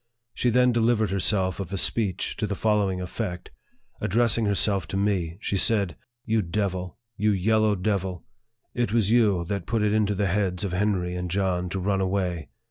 She then delivered herself of a speech, to the following effect: addressing herself to me, she said, " You devil ! You yellow devil ! it was you that put it into the heads of Henry and John to run away.